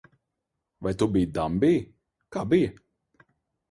Vai tu biji dambī? Kā bija?